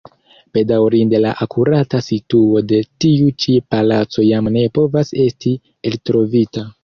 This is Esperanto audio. Bedaŭrinde la akurata situo de tiu ĉi palaco jam ne povas esti eltrovita.